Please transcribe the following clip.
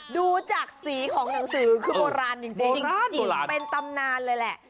ดูจากสีของหนังสือคือโบราณจริงเป็นตำนานเลยแหละ